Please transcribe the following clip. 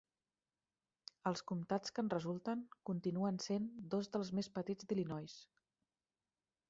Els comtats que en resulten continuen sent dos dels més petits d'Illinois.